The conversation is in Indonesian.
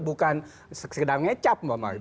bukan sekedar ngecap